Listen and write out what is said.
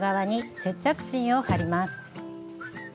接着芯を貼ります。